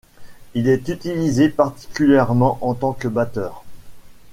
Il est utilisé particulièrement en tant que batteur.